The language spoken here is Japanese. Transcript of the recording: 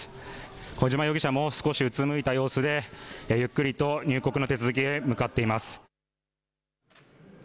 小島容疑者も少しうつむいた様子で、ゆっくりと入国の手続きへ向かっています。